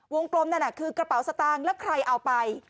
วงกลมนั่นคือกระเป๋าตังแล้วใครเอาไป